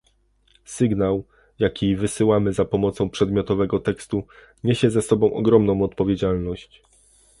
Sygnał, jaki wysyłamy za pomocą przedmiotowego tekstu, niesie ze sobą ogromną odpowiedzialność